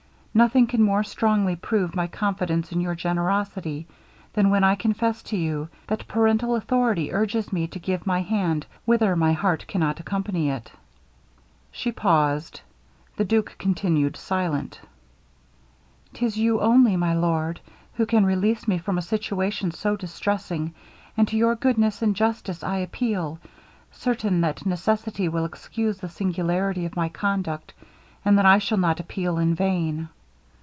Nothing can more strongly prove my confidence in your generosity, than when I confess to you, that parental authority urges me to give my hand whither my heart cannot accompany it.' She paused the duke continued silent. ''Tis you only, my lord, who can release me from a situation so distressing; and to your goodness and justice I appeal, certain that necessity will excuse the singularity of my conduct, and that I shall not appeal in vain.'